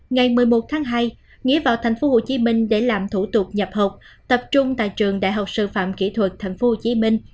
ngày một mươi một tháng hai nghĩa vào tp hcm để làm thủ tục nhập học tập trung tại trường đại học sư phạm kỹ thuật tp hcm